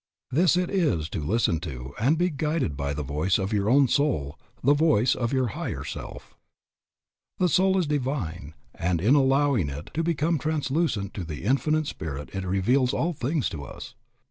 This it is to listen to and be guided by the voice of your own soul, the voice of your higher self. The soul is divine and in allowing it to become translucent to the Infinite Spirit it reveals all things to us.